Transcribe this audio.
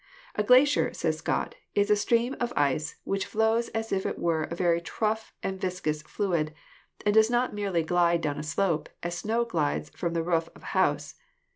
"A glacier," says Scott, "is a stream of ice which flows as if it were a very tough and viscous fluid, and does not merely glide down a slope, as snow glides from the roof of a house.